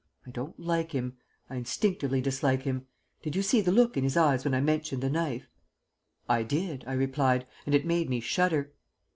I don't like him. I instinctively dislike him. Did you see the look in his eyes when I mentioned the knife?" "I did," I replied. "And it made me shudder."